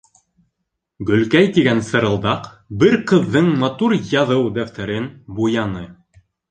Гөлкәй тигән сырылдаҡ бер ҡыҙҙың матур яҙыу дәфтәрен буяны.